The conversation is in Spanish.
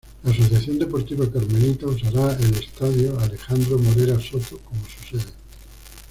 La Asociación Deportiva Carmelita usará el estadio Alejandro Morera Soto como su sede.